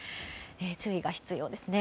注意が必要ですね。